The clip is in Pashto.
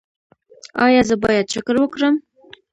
ایا زه باید شکر وکړم؟